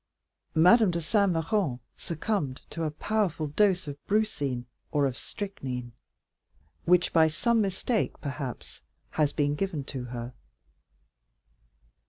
Madame de Saint Méran succumbed to a powerful dose of brucine or of strychnine, which by some mistake, perhaps, has been given to her."